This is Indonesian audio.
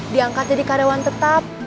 diangkat jadi karyawan tetap